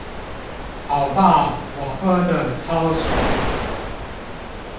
好棒，我喝的超爽！